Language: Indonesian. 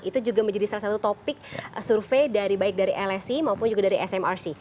itu juga menjadi salah satu topik survei dari baik dari lsi maupun juga dari smrc